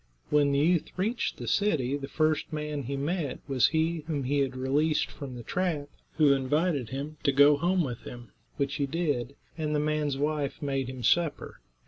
When the youth reached the city, the first man he met was he whom he had released from the trap, who invited him to go home with him, which he did, and the man's wife made him supper.